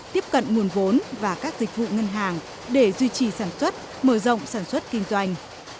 tiếp cận nguồn vốn và các dịch vụ ngân hàng để duy trì sản xuất mở rộng sản xuất kinh doanh